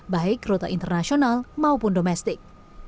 baik rute internasional maupun domestik